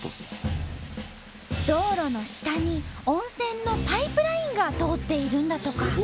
道路の下に温泉のパイプラインが通っているんだとか。